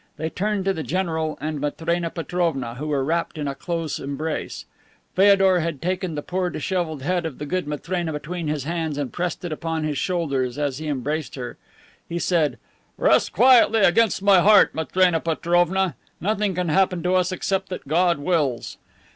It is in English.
They turned to the general and Matrena Petrovna, who were wrapped in a close embrace. Feodor had taken the poor disheveled head of the good Matrena between his hands and pressed it upon his shoulders as he embraced her. He said, "Rest quietly against my heart, Matrena Petrovna. Nothing can happen to us except what God wills."